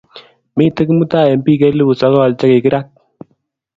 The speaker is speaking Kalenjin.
Mitei Kimutai eng bik elpu sokom che kikirat